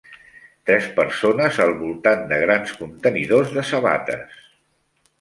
Tres persones al voltant de grans contenidors de sabates.